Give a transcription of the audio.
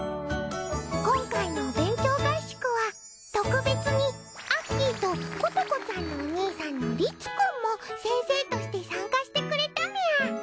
今回のお勉強合宿は特別にアッキーとことこちゃんのお兄さんの律くんも先生として参加してくれたみゃ。